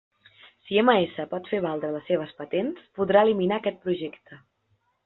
Si MS pot fer valdre les seves patents, podrà eliminar aquest projecte.